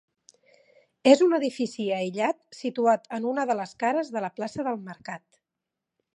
És un edifici aïllat situat en una de les cares de la plaça del Mercat.